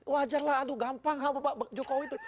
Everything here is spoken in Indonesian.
wajarlah aduh gampang sama pak jokowi itu